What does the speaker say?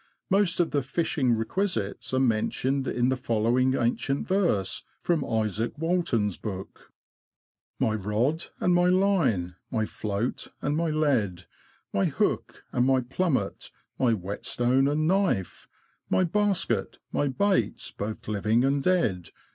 Most of the fishing requisites are mentioned in the follow ing ancient verse from Izaak Walton's book :— My rod and my line, my float and my lead, My hook and my plummet, my whetstone and knife, My basket, my baits both living and dead.